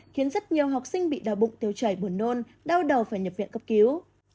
khiến rất nhiều học sinh bị đau bụng tiêu chảy buồn nôn đau đầu phải nhập viện cấp cứu